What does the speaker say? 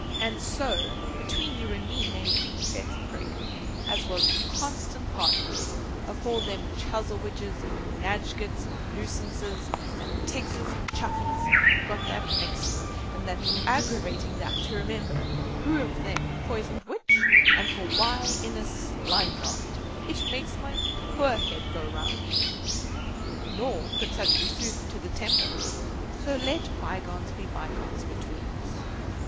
And so, between you and me may it be, Betsy Prig, as was constant partners afore them Chuzzlewidges, and Nadgetts, and Lewsomses, and Tiggses, and Chuffeys got that mixed and that aggerawating that to remember who of them poisoned which or for why in a slime draught, it makes my poor head go round, nor could such be soothing to the temper. So let bygones be bygones between us.